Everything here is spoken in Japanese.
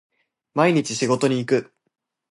毎日仕事に行く